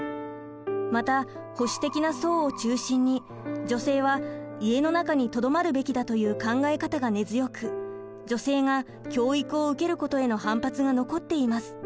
また保守的な層を中心に女性は家の中にとどまるべきだという考え方が根強く女性が教育を受けることへの反発が残っています。